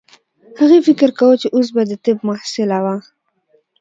هغې فکر کاوه چې اوس به د طب محصله وه